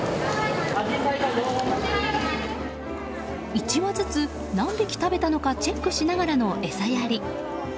１羽ずつ、何匹食べたのかチェックしながらの餌やり。